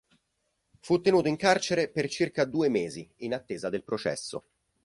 Fu tenuto in carcere per circa due mesi in attesa del processo.